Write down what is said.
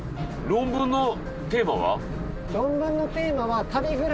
論文のテーマは。